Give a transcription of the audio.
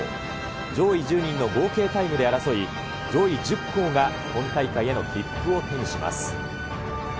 上位１０人の合計タイムで争い、上位１０校が本大会への切符を手にします。